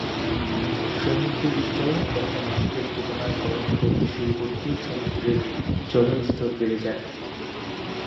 সমুদ্রের স্তর তখন আজকের তুলনায় বরফ গলতে শুরু করতেই সমুদ্রের জলের স্তর বেড়ে যায়।